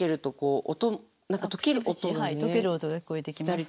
解ける音が聞こえてきます。